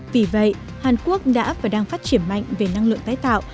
vì vậy hàn quốc đã và đang phát triển mạnh về năng lượng tái tạo